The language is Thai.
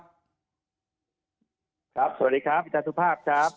ครับสวัสดีครับวิทยาศุภาพครับ